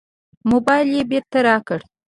موبایل یې بېرته راکړ.